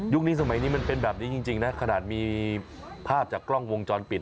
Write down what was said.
สมัยนี้มันเป็นแบบนี้จริงนะขนาดมีภาพจากกล้องวงจรปิด